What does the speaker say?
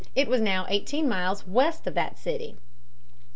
It was now eighteen miles west of that city (p.